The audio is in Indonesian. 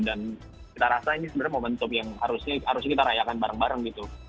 dan kita rasa ini sebenarnya momentum yang harusnya kita rayakan bareng bareng gitu